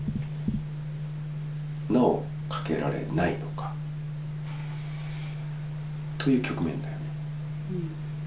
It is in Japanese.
なおかけられないのかという局面だよね。